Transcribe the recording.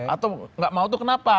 atau nggak mau itu kenapa